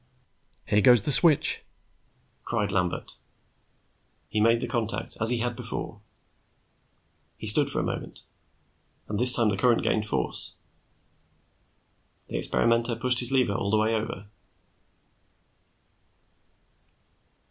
"Here goes the switch," cried Lambert. He made the contact, as he had before. He stood for a moment, and this time the current gained force. The experimenter pushed his lever all the way over.